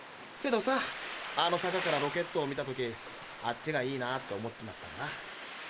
けどさあの坂からロケットを見た時あっちがいいなって思っちまったんだ。